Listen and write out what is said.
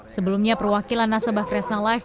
sebelumnya perwakilan nasabah kresna life